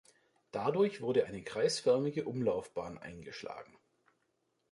Dadurch wurde eine kreisförmige Umlaufbahn eingeschlagen.